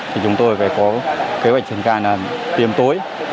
thì chúng tôi phải có kế hoạch trên cài là tiêm tối